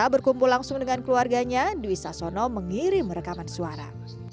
bisa berkumpul langsung dengan keluarganya duisa sono mengirim rekaman suara